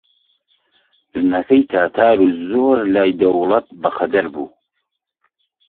ژنەکەی تاتار و زۆر لای دەوڵەت بەقەدر بوو